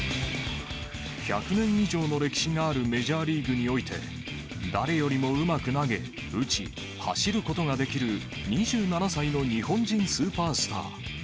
１００年以上の歴史があるメジャーリーグにおいて、誰よりもうまく投げ、打ち、走ることができる２７歳の日本人スーパースター。